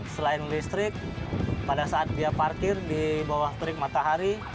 selain listrik pada saat dia parkir di bawah terik matahari